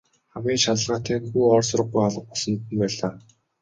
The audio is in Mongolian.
Хамгийн шаналгаатай нь хүү ор сураггүй алга болсонд л байлаа.